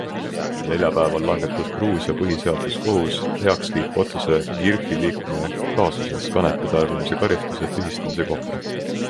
Neljapäeval langetas Gruusia põhiseaduskohus heakskiitva otsuse Girchi liikme kaasuses kanepi tarbimise karistuste tühistamise kohta.